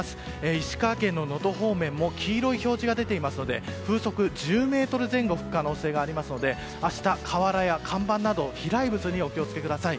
石川県能登方面も黄色い表示が出ていますので風速１０メートル前後吹く可能性がありますので明日、瓦や看板など飛来物にお気を付けください。